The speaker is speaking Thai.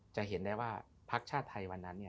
จะเห็นได้ว่าพักชาติไทยวันนั้น